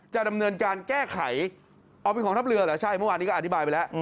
จะดำเนินการแก้ไขเอาเป็นของทัพเรือเหรอใช่เมื่อวานนี้ก็อธิบายไปแล้ว